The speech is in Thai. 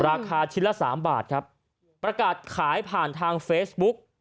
ราคาชิ้นละ๓บาทจะประกับขายผ่านทางเฟซบุ๊ก